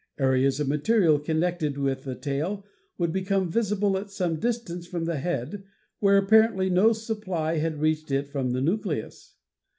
Areas of material con nected with the tail would become visible at some distance from the head, where apparently no supply had reached it from the nucleus.